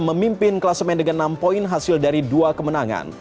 memimpin klasemen dengan enam poin hasil dari dua kemenangan